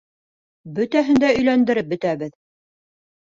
Бөтәһен дә өйләндереп бөтәбеҙ.